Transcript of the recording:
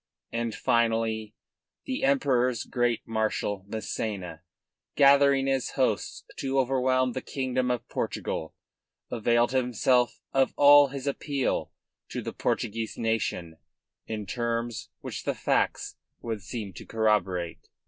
And finally the Emperor's great marshal, Massena, gathering his hosts to overwhelm the kingdom of Portugal, availed himself of all this to appeal to the Portuguese nation in terms which the facts would seem to corroborate.